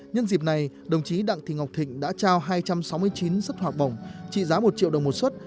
nhân dịp này đồng chí đặng thịnh ngọc thịnh đã trao hai trăm sáu mươi chín sức hoạt bổng trị giá một triệu đồng một suất